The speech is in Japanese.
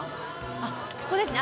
あっここですね。